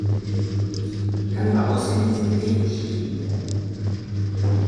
Er kann über ausgewiesene Wege bestiegen werden.